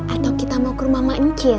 atau kita mau ke rumah mama incin